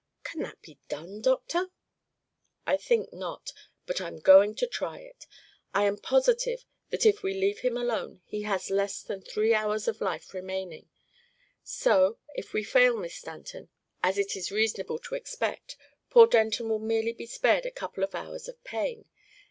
"Can that be done, doctor?" "I think not. But I'm going to try it. I am positive that if we leave him alone he has less than three hours of life remaining; so, if we fail, Miss Stanton, as it is reasonable to expect, poor Denton will merely be spared a couple of hours of pain.